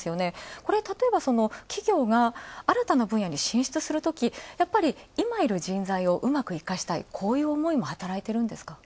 これ、たとえば、企業が新たな分野に進出するとき、やはり、今いる人材をうまく生かしたいこういう思いも働いてるんですか。